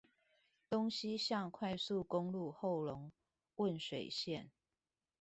東西向快速公路後龍汶水線